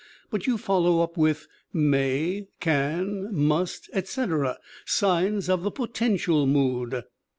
But, you follow up with may, can, must, etc., signs of the Potential mood."